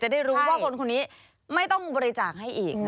ได้รู้ว่าคนคนนี้ไม่ต้องบริจาคให้อีก